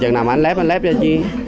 chẳng nào mà anh lép anh lép cho chi